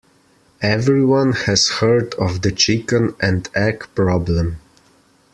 Everyone has heard of the chicken and egg problem.